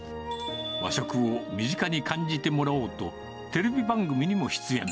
和食を身近に感じてもらおうと、テレビ番組にも出演。